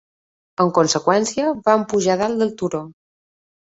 En conseqüència, van pujar a dalt del turó.